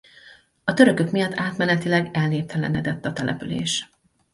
A törökök miatt átmenetileg elnéptelenedett a település.